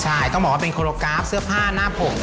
ใช่ต้องบอกว่าเป็นโคโลกราฟเสื้อผ้าหน้าผม